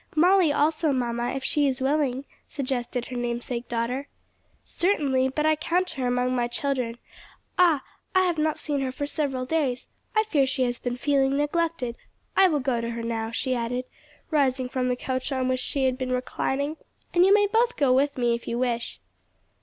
"Molly also, mamma, if she is willing," suggested her namesake daughter. "Certainly; but I count her among my children. Ah, I have not seen her for several days! I fear she has been feeling neglected. I will go to her now," she added, rising from the couch on which she had been reclining. "And you may both go with me, if you wish."